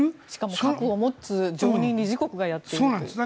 しかも、核を持つ常任理事国がやっている。